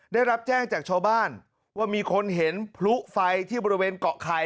ได้รับแจ้งจากชาวบ้านว่ามีคนเห็นพลุไฟที่บริเวณเกาะไข่